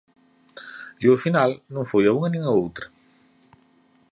E, ó final, non foi nin a unha nin a outra.